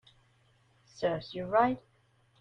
Serves you right